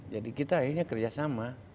jadi kita akhirnya kerjasama